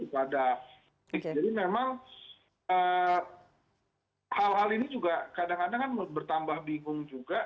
jadi memang hal hal ini juga kadang kadang bertambah bingung juga